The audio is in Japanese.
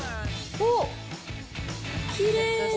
おっ、きれい。